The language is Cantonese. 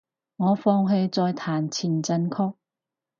我放棄再彈前進曲